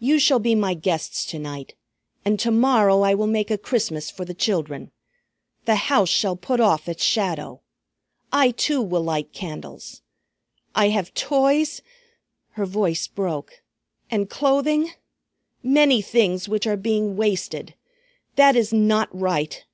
"You shall be my guests to night. And to morrow I will make a Christmas for the children. The house shall put off its shadow. I too will light candles. I have toys," her voice broke, "and clothing; many things, which are being wasted. That is not right!